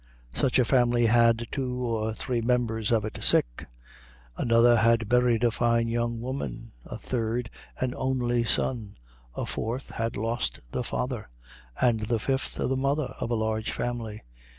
Such a family had two or three members of it sick; another had buried a fine young woman; a third, an only son; a fourth, had lost the father, and the fifth, the mother of a large family.